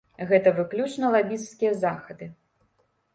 Гэта выключна лабісцкія захады.